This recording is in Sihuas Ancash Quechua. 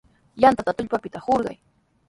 Yantata tullpapita hurqay.